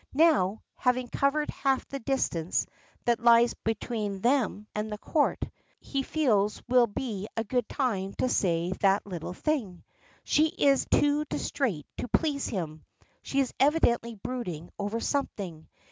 Now, having covered half the distance that lies between them and the Court, he feels will be a good time to say that little thing. She is too distrait to please him. She is evidently brooding over something.